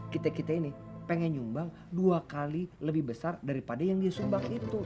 kita kita ini pengen nyumbang dua kali lebih besar daripada yang dia sumbang itu